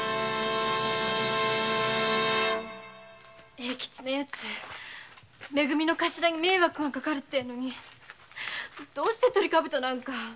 永吉のヤツめ組のカシラに迷惑がかかるってのにどうしてトリカブトなんか。